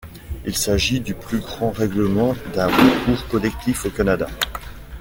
Il s'agit du plus grand règlement d'un recours collectif au Canada.